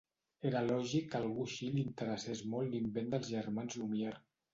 Era lògic que a algú així li interessés molt l’invent dels germans Lumière.